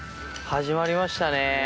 始まりましたね。